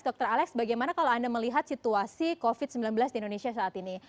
dr alex bagaimana kalau anda melihat situasi covid sembilan belas di indonesia saat ini